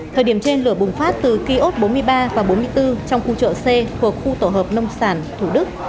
thời điểm trên lửa bùng phát từ ký ốt bốn mươi ba và bốn mươi bốn trong khu chợ c của khu tổ hợp nông sản thủ đức